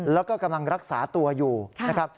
แล้วก็กำลังรักษาตัวอยู่นะครับ